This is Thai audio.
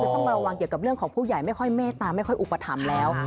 คือต้องระวังเกี่ยวกับเรื่องของผู้ใหญ่ไม่ค่อยเมตตาไม่ค่อยอุปถัมภ์แล้ว